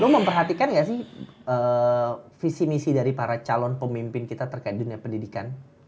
lo memperhatikan gak sih visi misi dari para calon pemimpin kita terkait diri kita